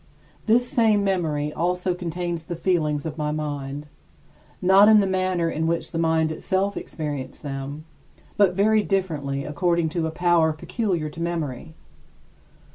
This same memory also contains the feelings of my mind; not in the manner in which the mind itself experienced them, but very differently according to a power peculiar to memory.